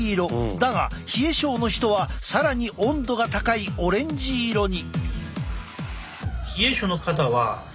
だが冷え症の人は更に温度が高いオレンジ色に。